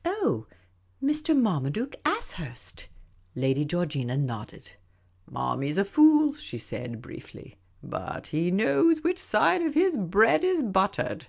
" Oh, Mr. Marmaduke Ashurst." I<ady Georgina nodded. " Marmy 's a fool," she .said, briefly; " but he knows which side of his bread is buttered."